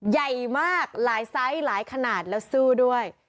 ใหญ่มากหลายไซส์หลายขนาดแล้วสู้ด้วย